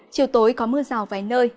chiều tối có mưa rào vài nơi